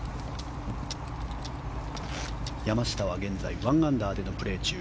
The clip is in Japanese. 山下は現在１アンダーでのプレー中。